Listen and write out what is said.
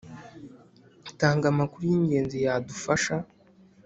tanga amakuru y ingenzi yadufasha